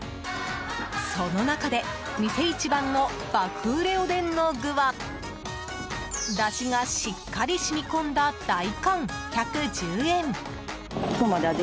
その中で店一番の爆売れおでんの具はだしがしっかり染み込んだ大根、１１０円。